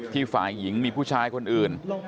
ฝ่ายหญิงมีผู้ชายคนอื่น